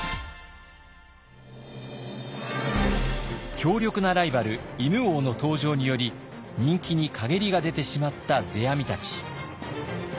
強力なライバル犬王の登場により人気に陰りが出てしまった世阿弥たち。